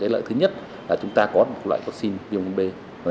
lợi thứ nhất là chúng ta có một loại vaccine b một b